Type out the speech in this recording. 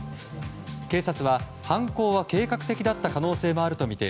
警察は、犯行は計画的だった可能性もあるとみて